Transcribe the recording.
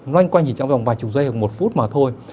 loanh quanh chỉ trong vòng vài chục giây hoặc một phút mà thôi